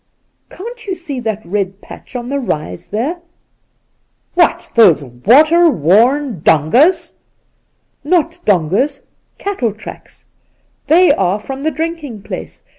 ' Can't you see that red patch on the rise there ?'' What, those water worn dongas ?'' Not dongas — cattle tracks. They are from the drinking place.